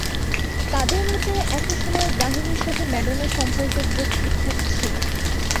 তাঁদের মতে, একটা সময়ে ব্রাহিমের সঙ্গে ম্যাডোনার সম্পর্কের যোগ ঠিকঠাক ছিল।